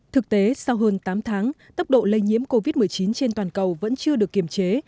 thực tế sau hơn tám tháng tốc độ lây nhiễm covid một mươi chín trên toàn cầu vẫn chưa được kiềm chế